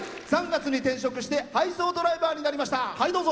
３月に転職して配送ドライバーになりました。